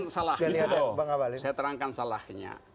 saya terangkan salahnya